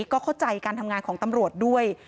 ก็เข้าใจการทำงานของตำรวจด้วย